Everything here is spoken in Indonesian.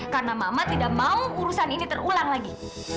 karena mama tidak mau urusan ini terulang lagi